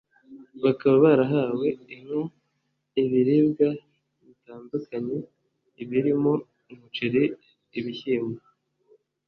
bakaba barahawe Inka ibiribwa bitandukanye birimo umuceri ibishyimbo